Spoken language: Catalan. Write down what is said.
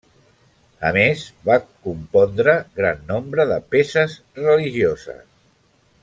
A més, va compondre gran nombre de peces religioses.